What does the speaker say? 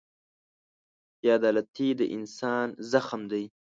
بېعدالتي د انسانیت زخم دی.